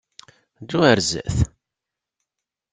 Ddu ɣer sdat!